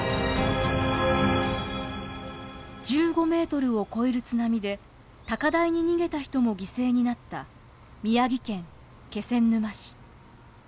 １５メートルを超える津波で高台に逃げた人も犠牲になった宮城県気仙沼市。